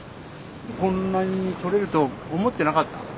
こんなに採れると思ってなかった。